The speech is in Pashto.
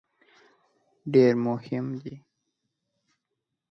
ډېر مهم دی.